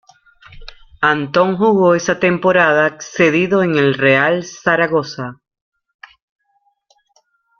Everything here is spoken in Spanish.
Antón jugó esa temporada cedido en el Real Zaragoza.